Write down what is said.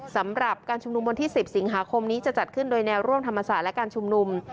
สำหรับการชุมนุมวันที่๑๐สิงหาคมนี้จะจัดขึ้นโดยแนวร่วมธรรมศาสตร์และการชุมนุม